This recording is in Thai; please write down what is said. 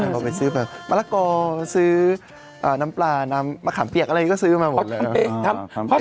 พอไปซื้อแบบมะละกอซื้อน้ำปลาน้ำมะขามเปียกอะไรก็ซื้อมาหมด